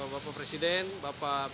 bapak presiden bapak plt kemempora